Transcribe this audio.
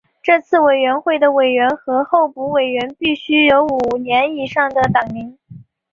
这些委员会的委员和候补委员必须有五年以上的党龄。